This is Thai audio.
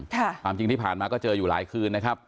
ความจริงที่ผ่านมาก็เจออยู่หลายคืนนะครับ